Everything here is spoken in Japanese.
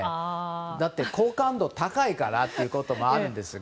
好感度が高いからというのもあるんですが。